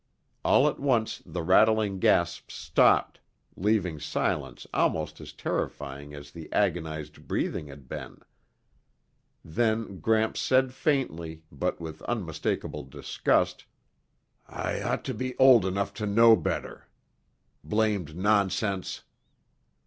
All at once the rattling gasps stopped, leaving silence almost as terrifying as the agonized breathing had been. Then Gramps said faintly, but with unmistakable disgust, "I ought to be old enough to know better! Blamed nonsense!"